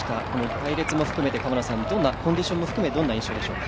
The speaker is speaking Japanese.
隊列も、コンディションも含め、どんな印象でしょうか。